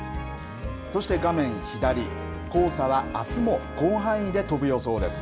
そして画面左、黄砂はあすも、広範囲で飛ぶ予想です。